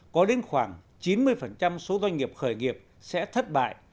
có đến khoảng chín mươi số doanh nghiệp khởi nghiệp sẽ thất bại